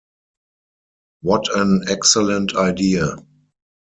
What an excellent idea.